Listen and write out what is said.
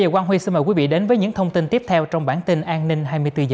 giờ xin mời quý vị đến với những thông tin tiếp theo trong bản tin an ninh hai mươi bốn h